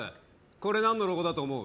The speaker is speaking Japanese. これ何のロゴだと思う？